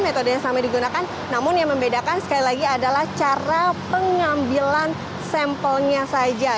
metode yang sama digunakan namun yang membedakan sekali lagi adalah cara pengambilan sampelnya saja